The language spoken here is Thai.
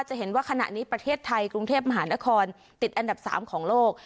จะเห็นว่าขณะนี้ประเทศไทยกรุงเทพมหานครติดอันดับ๓ของโลก